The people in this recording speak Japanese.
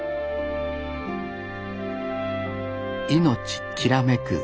命きらめく